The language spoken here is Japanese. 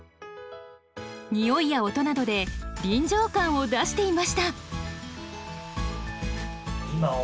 においや音などで臨場感を出していました。